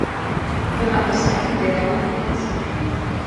Demà passat en Guerau anirà al cinema.